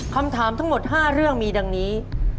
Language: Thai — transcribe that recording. คำถามทั้งหมด๕เรื่องมีดังนี้